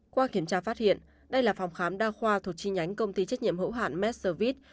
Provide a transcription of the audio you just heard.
qua kiểm tra phát hiện đây là phòng khám đa khoa thuộc chi nhánh công ty trách nhiệm hữu hạn messevit